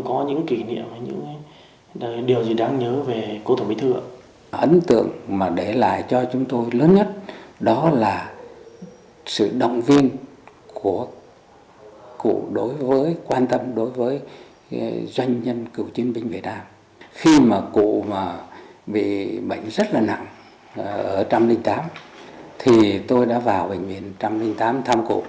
ở trăm linh tám thì tôi đã vào bệnh viện trăm linh tám thăm cụ